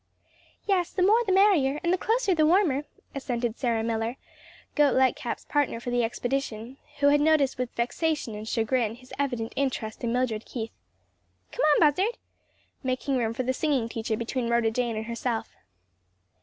"Yes; the more the merrier, and the closer the warmer," assented Sarah Miller, Gote Lightcap's partner for the expedition, who had noticed with vexation and chagrin his evident interest in Mildred Keith. "Come on, Buzzard," making room for the singing teacher between Rhoda Jane and herself.